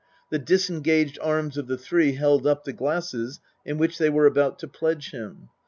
The disengaged arms of the three held up the glasses in which they were about to pledge him.